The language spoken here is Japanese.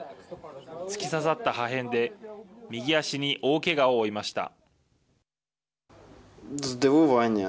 突き刺さった破片で右足に大けがを負いました。